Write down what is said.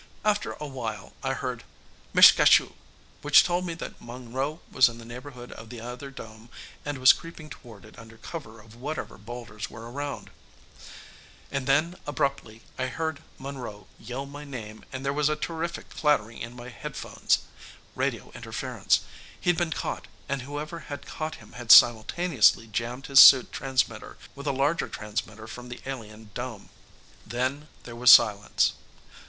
After a while, I heard "Mishgashu!" which told me that Monroe was in the neighborhood of the other dome and was creeping toward it under cover of whatever boulders were around. And then, abruptly, I heard Monroe yell my name and there was a terrific clattering in my headphones. Radio interference! He'd been caught, and whoever had caught him had simultaneously jammed his suit transmitter with a larger transmitter from the alien dome. Then there was silence.